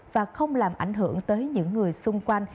và không làm ảnh hưởng tới những người xung quanh